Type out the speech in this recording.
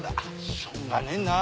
しようがねえな。